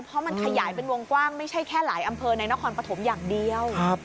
เพราะมันขยายเป็นวงกว้างไม่ใช่แค่หลายอำเภอในนครปฐมอย่างเดียว